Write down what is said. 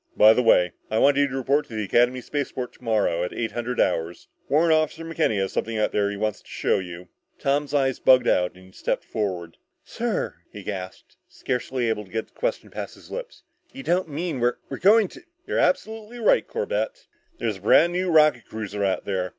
"By the way, I want you to report to the Academy spaceport tomorrow at eight hundred hours. Warrant Officer McKenny has something out there he wants to show you." Tom's eyes bugged out and he stepped forward. "Sir," he gasped, scarcely able to get the question past his lips, "you don't mean we're we're going to " "You're absolutely right, Corbett. There's a brand new rocket cruiser out there.